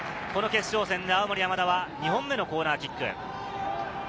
この決勝戦で青森山田は２本目のコーナーキック。